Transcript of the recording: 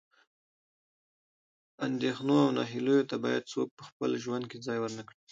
اندېښنو او نهیلۍ ته باید څوک په خپل ژوند کې ځای ورنه کړي.